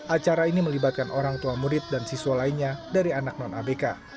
acara ini melibatkan orang tua murid dan siswa lainnya dari anak non abk